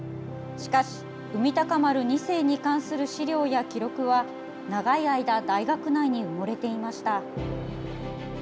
しかし「海鷹丸２世」に関する資料や記録は長い間、大学内に埋もれていました。